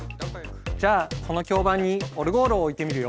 じゃあこの響板にオルゴールを置いてみるよ。